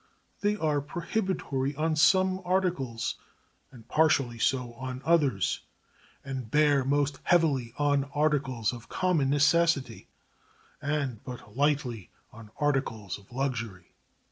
They are prohibitory on some articles and partially so on others, and bear most heavily on articles of common necessity and but lightly on articles of luxury.